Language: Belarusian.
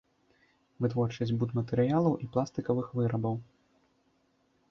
Вытворчасць будматэрыялаў і пластыкавых вырабаў.